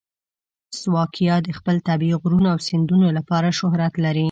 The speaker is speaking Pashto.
سلواکیا د خپل طبیعي غرونو او سیندونو لپاره شهرت لري.